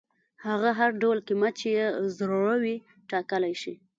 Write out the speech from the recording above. هغه هر ډول قیمت چې یې زړه وي ټاکلی شي.